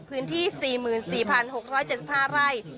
พื้นที่๔๔๖๗๕ไร่